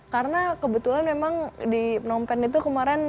karena kebetulan memang di penumpang itu kemarin